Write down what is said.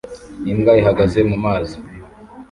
Imbwa ihagaze mu mazi